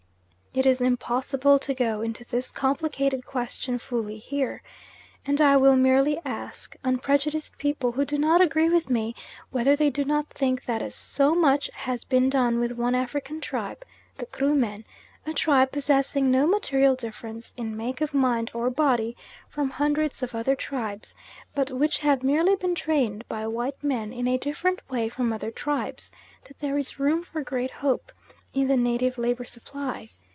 It is impossible to go into this complicated question fully here, and I will merely ask unprejudiced people who do not agree with me, whether they do not think that as so much has been done with one African tribe, the Krumen a tribe possessing no material difference in make of mind or body from hundreds of other tribes, but which have merely been trained by white men in a different way from other tribes that there is room for great hope in the native labour supply?